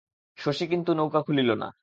শশী কিন্তু নৌকা খুলিল না।